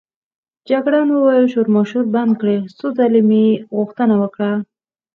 جګړن وویل: شورماشور بند کړئ، څو ځلې مې غوښتنه وکړه.